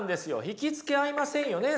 引き付け合いませんよね。